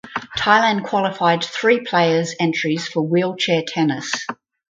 Thailand qualified three players entries for wheelchair tennis.